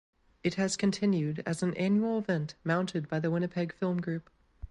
It has continued as an annual event mounted by the Winnipeg Film Group.